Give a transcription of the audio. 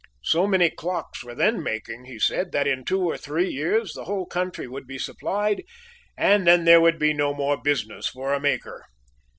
So many clocks were then making, he said, that in two or three years the whole country would be supplied, and then there would be no more business for a maker.